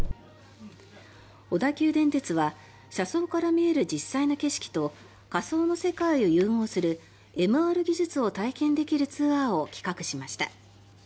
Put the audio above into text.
小田急電鉄は車窓から見える実際の景色と仮想の世界を融合するＭＲ技術を体験できるツアーを企画しました。